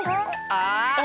ああ！